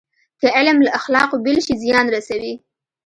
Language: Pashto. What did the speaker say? که علم له اخلاقو بېل شي، زیان رسوي.